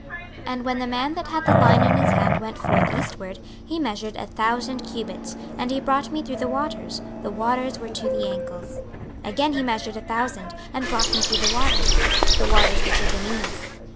26:047:003 And when the man that had the line in his hand went forth eastward, he measured a thousand cubits, and he brought me through the waters; the waters were to the ankles. 26:047:004 Again he measured a thousand, and brought me through the waters; the waters were to the knees.